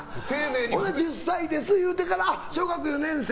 それで１０歳ですって言ってから小学４年生？